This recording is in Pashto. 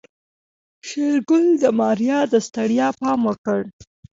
شېرګل د ماريا د ستړيا پام وکړ.